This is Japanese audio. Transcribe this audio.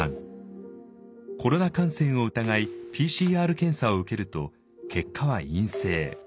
コロナ感染を疑いＰＣＲ検査を受けると結果は陰性。